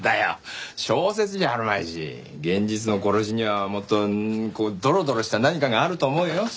小説じゃあるまいし現実の殺しにはもっとこうドロドロした何かがあると思うよ。